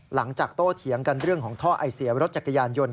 โตเถียงกันเรื่องของท่อไอเสียรถจักรยานยนต